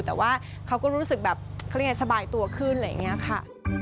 แต่ว่าเขาก็รู้สึกแบบเขาเรียกไงสบายตัวขึ้นอะไรอย่างนี้ค่ะ